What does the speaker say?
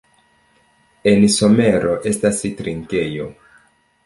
En somero estas trinkejo.